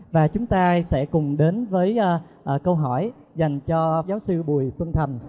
và chúng ta sẽ cùng đến với câu hỏi dành cho giáo sư bùi xuân thành